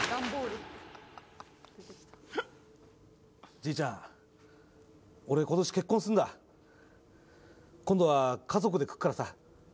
じいちゃん俺今年結婚すんだ今度は家族で来っからさ